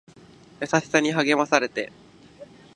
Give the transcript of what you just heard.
優しさに励まされて